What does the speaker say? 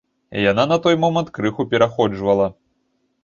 Яна на той момант крыху пераходжвала.